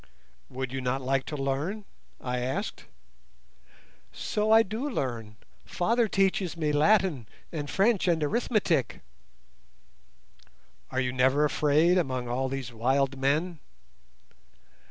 "Would you not like to learn?" I asked. "So I do learn. Father teaches me Latin and French and arithmetic." "And are you never afraid among all these wild men?"